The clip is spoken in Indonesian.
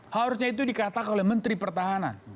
harusnya itu dikatakan oleh menteri pertahanan